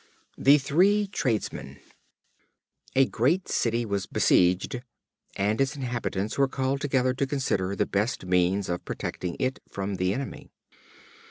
The Three Tradesmen. A great city was besieged, and its inhabitants were called together to consider the best means of protecting it from the enemy.